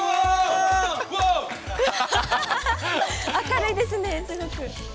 明るいですね、すごく。